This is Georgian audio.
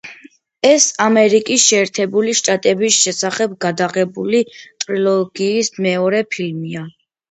ეს ამერიკის შეერთებული შტატების შესახებ გადაღებული ტრილოგიის მეორე ფილმია.